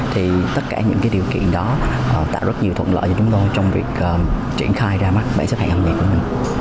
thì tất cả những điều kiện đó tạo rất nhiều thuận lợi cho chúng tôi trong việc triển khai ra mắt bản xếp hệ âm nhạc của mình